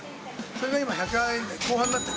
それが今１００円台後半になってる。